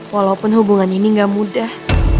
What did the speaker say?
walaupun hubungan ini gak mudah